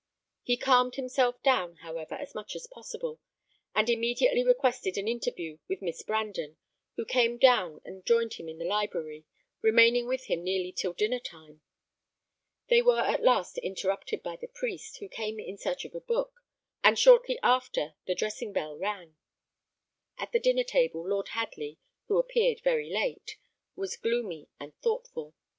He calmed himself down, however, as much as possible, and immediately requested an interview with Miss Brandon, who came down and joined him in the library, remaining with him nearly till dinner time. They were at last interrupted by the priest, who came in search of a book, and shortly after the dressing bell rang. At the dinner table, Lord Hadley, who appeared very late, was gloomy and thoughtful.